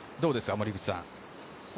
森口さん。